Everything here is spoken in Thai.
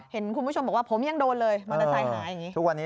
เห็นคุณผู้ชมบอกว่าผมยังโดนเลยมาตะสายหาอย่างนี้